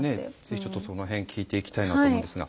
ぜひその辺聞いていきたいなと思うんですが。